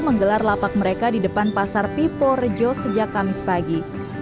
menggelar lapak mereka di depan pasar pipo rejo sejak kamis pagi